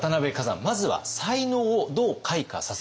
まずは才能をどう開花させたのか。